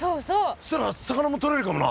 そしたら魚もとれるかもな。